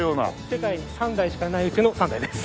世界に３台しかないうちの３台です。